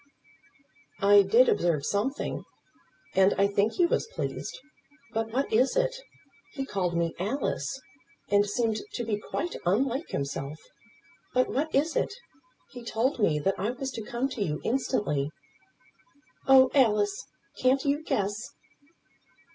"I did observe something, and I think he was pleased. But what is it? He called me Alice. And seemed to be quite unlike himself. But what is it? He told me that I was to come to you instantly." "Oh, Alice, can't you guess?"